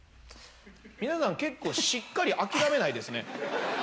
皆さん結構しっかり諦めないですね。